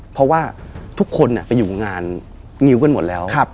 เพราะว่าทุกคนไปอยู่งานงิ้วกันหมดแล้ว